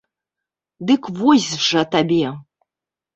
Дык вось жа табе!